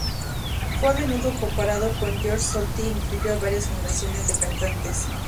Fue a menudo comparado con Georg Solti e influyó a varias generaciones de cantantes.